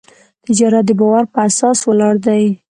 تجارت د باور په اساس ولاړ دی.